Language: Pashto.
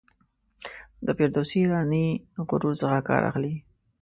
د فردوسي ایرانی غرور څخه کار اخلي.